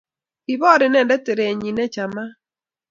Kibor indenet teret nyii nechamat